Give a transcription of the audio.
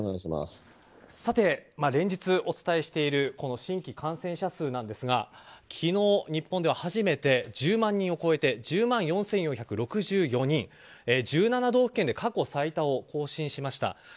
さて、連日お伝えしている新規感染者数なんですが昨日、日本では初めて１０万人を超えて１０万４４６４人と１７道府県で過去最多を更新しました。